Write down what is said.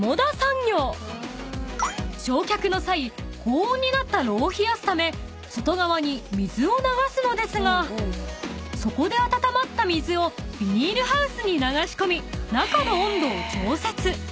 ［焼却の際高温になった炉を冷やすため外側に水を流すのですがそこで温まった水をビニールハウスに流し込み中の温度を調節］